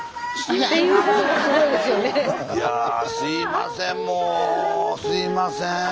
いやすいません